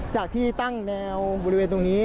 จากที่ตั้งแนวบริเวณตรงนี้